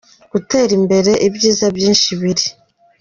gutera imbere ibyiza byinshi biri.